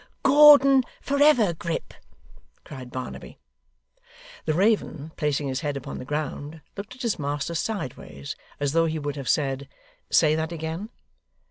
'Gordon for ever, Grip!' cried Barnaby. The raven, placing his head upon the ground, looked at his master sideways, as though he would have said, 'Say that again!